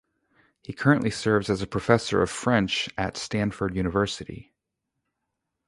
He currently serves as a Professor of French at Stanford University.